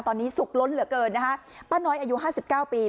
ตอนนี้สุขล้นเหลือเกินนะคะป้าน้อยอายุห้าสิบเก้าปี